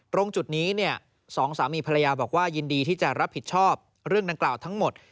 ตรงจุดนี้สองสามีภรรยาบอกว่ายินดีที่จะรับผิดชอบเรื่องดังกล่าวทั้งหมด